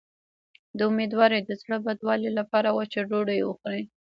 د امیدوارۍ د زړه بدوالي لپاره وچه ډوډۍ وخورئ